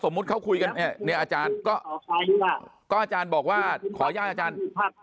เขาคุยกันเนี่ยเนี่ยอาจารย์ก็อาจารย์บอกว่าขออนุญาตอาจารย์